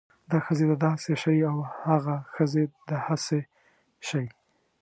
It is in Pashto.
دا ښځې د داسې شی او هاغه ښځې د هاسې شی